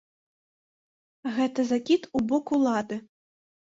Гэта закід у бок улады.